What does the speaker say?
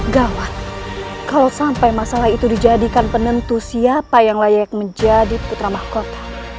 gawat kalau sampai masalah itu dijadikan penentu siapa yang layak menjadi putra mahkota